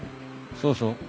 そうそう。